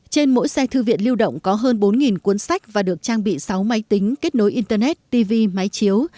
trên mỗi xe thư viện lưu động có hơn bốn cuốn sách và được trang bị sáu máy tính kết nối internet tv máy chiếu